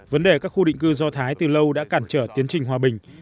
vấn đề các khu định cư do thái từ lâu đã cản trở tiến trình hòa bình